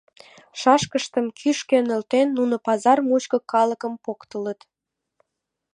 Шашкыштым кӱшкӧ нӧлтен, нуно пазар мучко калыкым поктылыт.